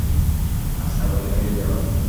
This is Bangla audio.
আস্তাবলে ফিরে যাও।